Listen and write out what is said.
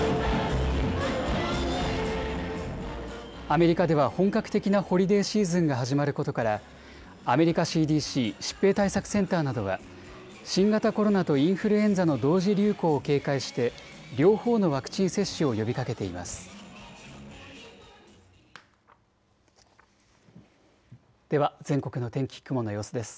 アメリカでは本格的なホリデーシーズンが始まることからアメリカＣＤＣ・疾病対策センターなどは新型コロナとインフルエンザの同時流行を警戒して両方のワクチン接種を呼びかけています。